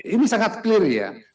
ini sangat clear ya